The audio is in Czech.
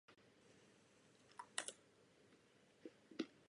Vítr následně šíří dobrou vůli dále do světa.